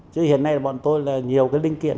chứ hiện nay là bọn tôi là nhiều cái linh kiện